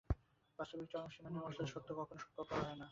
বাস্তবিক চরম সীমায় না উঠিলে সত্য কখনও সুখকর হয় না।